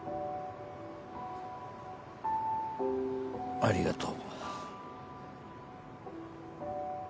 ありがとう。